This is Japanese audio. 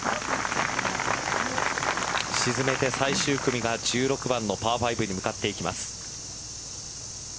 沈めて最終組が１６番のパー５に向かっていきます。